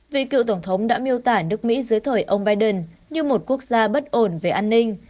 vị cựu tổng thống đã miêu tả nước mỹ dưới thời ông biden như một quốc gia bất ổn về an ninh